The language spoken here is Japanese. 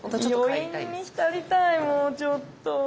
余韻に浸りたいもうちょっと。